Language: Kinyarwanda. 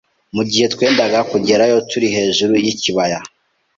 Mugihe twendaga kugerayo turi hejuru y’ikibaya,